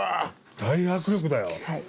大迫力だよ。